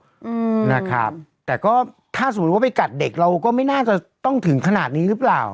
อืมนะครับแต่ก็ถ้าสมมุติว่าไปกัดเด็กเราก็ไม่น่าจะต้องถึงขนาดนี้หรือเปล่า